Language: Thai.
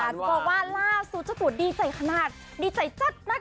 เสิร์ฟว่าล่าสู้จ่าตวดีใจขนาดดีใจจัดหนัก